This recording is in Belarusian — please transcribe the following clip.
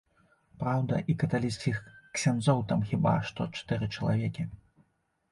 Праўда, і каталіцкіх ксяндзоў там хіба што чатыры чалавекі.